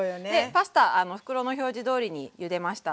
パスタ袋の表示どおりにゆでました。